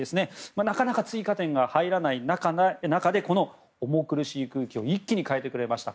なかなか追加点が入らない中で重苦しい空気を一気に変えてくれました。